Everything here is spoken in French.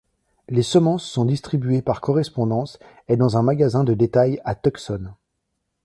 Les semences sont distribuées par correspondance et dans un magasin de détail à Tucson.